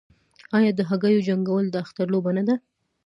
آیا د هګیو جنګول د اختر لوبه نه ده؟